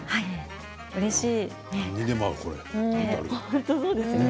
うれしい。